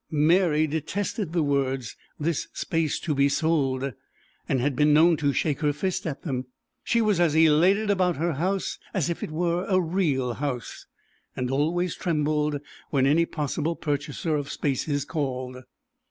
Mary A detested the words "This space to be sold," and had been known to shake her fist at them. She was as elated about her house as if it were a real house, and always trembled when any possible purchaser of spaces called.